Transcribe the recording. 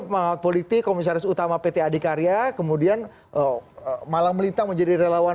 mah politik komisaris utama pt adhikarya kemudian oh malah melintang menjadi relawan